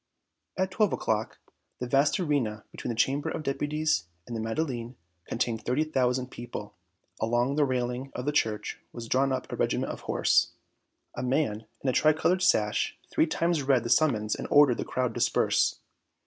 At twelve o'clock the vast arena between the Chamber of Deputies and the Madeleine contained thirty thousand people. Along the railing of the church was drawn up a regiment of horse. A man in a tri colored sash three times read the summons and ordered the crowd disperse.